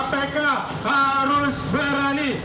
kpk harus berani